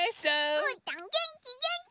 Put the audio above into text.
うーたんげんきげんき！